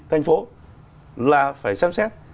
thành phố là phải xem xét